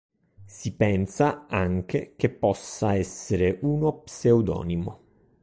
Si pensa anche che possa essere uno pseudonimo.